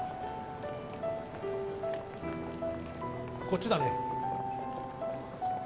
こっちだね。